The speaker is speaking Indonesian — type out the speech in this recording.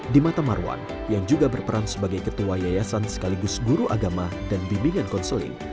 di mata marwan yang juga berperan sebagai ketua yayasan sekaligus guru agama dan bimbingan konseling